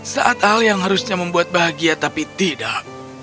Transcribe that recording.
saat hal yang harus membuatmu bahagia tapi tidak